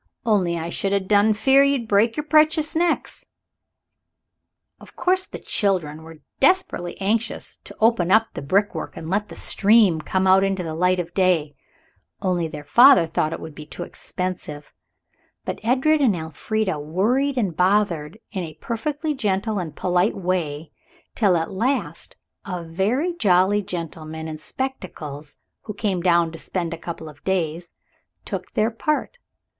Only I shouldn't a done fear you'd break your precious necks." Of course the children were desperately anxious to open up the brickwork and let the stream come out into the light of day; only their father thought it would be too expensive. But Edred and Elfrida worried and bothered in a perfectly gentle and polite way till at last a very jolly gentleman in spectacles, who came down to spend a couple of days, took their part.